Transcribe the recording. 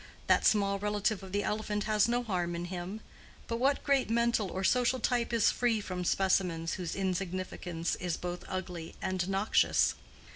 That small relative of the elephant has no harm in him; but what great mental or social type is free from specimens whose insignificance is both ugly and noxious?